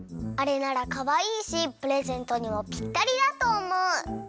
あれならかわいいしプレゼントにもぴったりだとおもう！